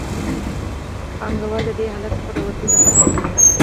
پانګوال د دې حالت څخه د وتلو هڅه کوي